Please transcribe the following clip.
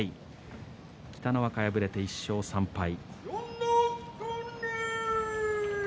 北の若は敗れて１勝３敗。